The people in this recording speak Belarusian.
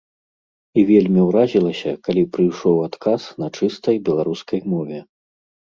І вельмі ўразілася, калі прыйшоў адказ на чыстай беларускай мове.